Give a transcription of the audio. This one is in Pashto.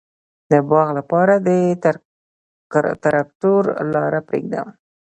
د باغ لپاره د تراکتور لاره پریږدم؟